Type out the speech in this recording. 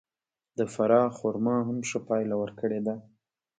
د فراه خرما هم ښه پایله ورکړې ده.